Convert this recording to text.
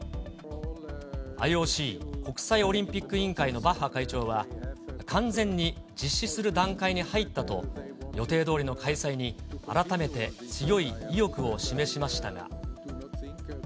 ＩＯＣ・国際オリンピック委員会のバッハ会長は、完全に実施する段階に入ったと、予定どおりの開催に改めて強い意欲を示しましたが。